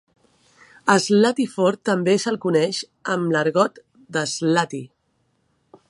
A Slatyford també se'l coneix amb l'argot d'"Slaty".